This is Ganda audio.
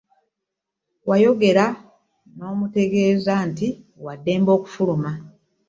Yayongera n'amutegeeza nti waddembe okufuluma .